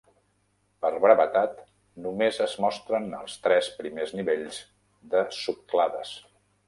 Per brevetat, només es mostren els tres primers nivells de subclades.